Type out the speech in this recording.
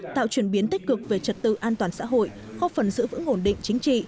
tạo chuyển biến tích cực về trật tự an toàn xã hội góp phần giữ vững ổn định chính trị